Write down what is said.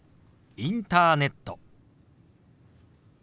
「インターネット」。